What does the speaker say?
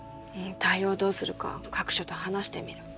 対応どうするか各所と話してみる。